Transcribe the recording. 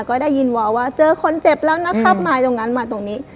ก็ได้ยินวาวว่าเจอคนเจ็บแล้วนะครับมาตรงนั้นมาตรงนี้